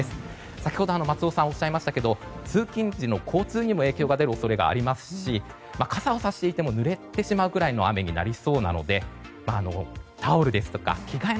先ほど松尾さんがおっしゃいましたけど通勤時の交通へ影響が出る恐れがありますし傘をさしていてもぬれるぐらいの雨になりそうなのでタオルですとか着替え